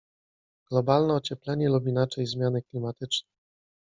Globalne ocieplenie lub inaczej zmiany klimatyczne.